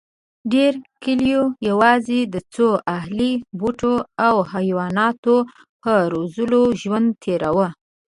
ډېرې کلیوې یواځې د څو اهلي بوټو او حیواناتو په روزلو ژوند تېراوه.